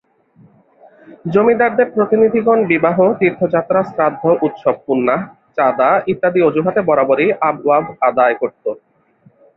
জমিদারদের প্রতিনিধিগণ বিবাহ, তীর্থযাত্রা, শ্রাদ্ধ, উৎসব, পুণ্যাহ, চাঁদা ইত্যাদি অজুহাতে বরাবরই আবওয়াব আদায় করত।